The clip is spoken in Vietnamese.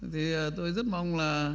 thì tôi rất mong là